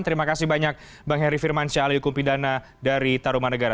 terima kasih banyak bang heri firmansyahli hukum pidana dari taruman negara